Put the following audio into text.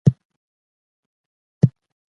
سياسي خپلواکي د يوې سالمي ټولني د پرمختګ پيل دی.